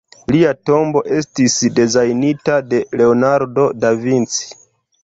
Lia tombo estis dezajnita de Leonardo da Vinci.